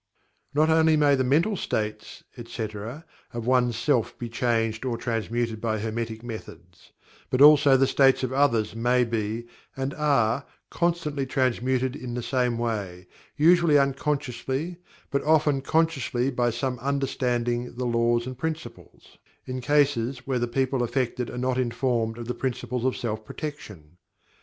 Not only may the mental states, etc., of one's self be changed or transmuted by Hermetic Methods; but also the states of others may be, and are, constantly transmuted in the same way, usually unconsciously, but often consciously by some understanding the laws and principles, in cases where the people affected are not informed of the principles of self protection.